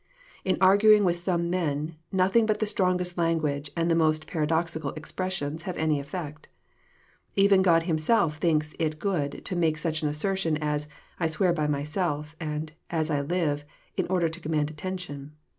— In arguing with some men, nothing but the strongest language, and the most paradoxical expressions, have any effect. > £ven God himself thinks it good to make such an asseveration as '< I swear by myself," and *' as I live," in order to command attention.